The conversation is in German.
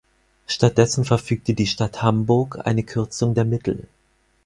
Stattdessen verfügte die Stadt Hamburg eine Kürzung der Mittel.